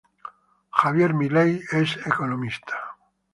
Javier Milei es economista.